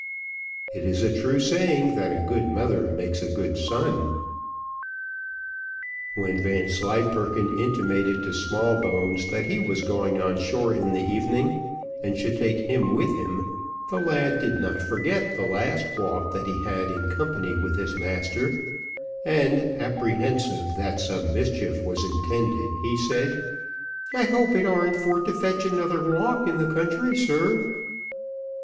It is a true saying, that a good mother makes a good son. When Vanslyperken intimated to Smallbones that he was going on shore in the evening, and should take him with him, the lad did not forget the last walk that he had in company with his master, and, apprehensive that some mischief was intended, he said, "I hope it arn't for to fetch another walk in the country, sir?"